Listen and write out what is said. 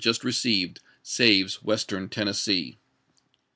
xix, just received, saves Western Tennessee."